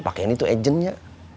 pak kenny itu agentnya